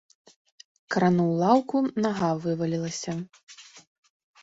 Крануў лаўку, нага вывалілася.